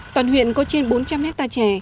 toàn huyện có trên bốn trăm linh hectare chè